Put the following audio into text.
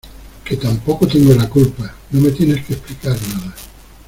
que tampoco tengo la culpa. no me tienes que explicar nada .